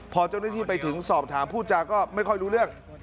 พอเจ้าหน้าที่ไปถึงสอบถามพูดจาก็ไม่ค่อยรู้เรื่อง